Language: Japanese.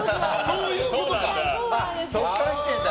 そういうことなんだ！